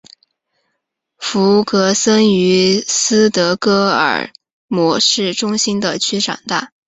弗格森于斯德哥尔摩市中心的区长大。